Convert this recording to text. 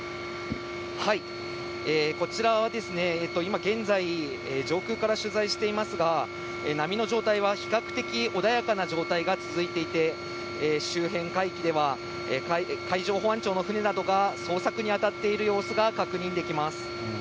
こちらはですね、今現在、上空から取材していますが、波の状態は比較的穏やかな状態が続いていて、周辺海域では、海上保安庁の船などが捜索に当たっている様子が確認できます。